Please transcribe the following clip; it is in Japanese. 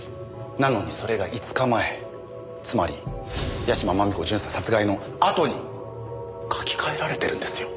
なのにそれが５日前つまり屋島真美子巡査殺害のあとに書き換えられてるんですよ。